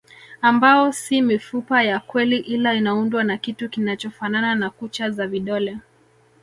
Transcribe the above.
Ambao si mifupa ya kweli ila inaundwa na kitu kinachofanana na kucha za vidole